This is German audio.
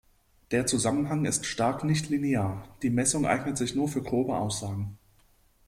Der Zusammenhang ist stark nichtlinear; die Messung eignet sich nur für grobe Aussagen.